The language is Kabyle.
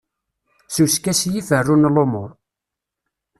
S uskasi i ferrun lumuṛ.